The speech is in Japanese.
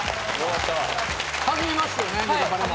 初めましてよね『ネタパレ』も。